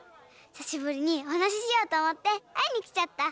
ひさしぶりにおはなししようとおもってあいにきちゃった！